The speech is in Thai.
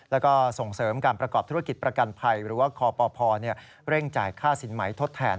แล้วก็ส่งเสริมการประกอบธุรกิจประกันภัยหรือว่าคปเร่งจ่ายค่าสินไหมทดแทน